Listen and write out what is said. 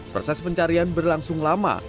proses pencarian berlangsung lama